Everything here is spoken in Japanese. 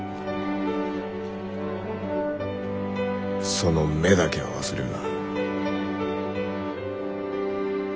その目だけは忘れるな。